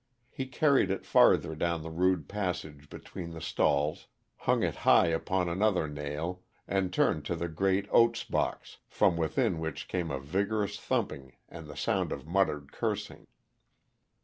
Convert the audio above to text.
He carried it farther down the rude passage between the stalls, hung it high upon another nail, and turned to the great oats box, from within which came a vigorous thumping and the sound of muttered cursing.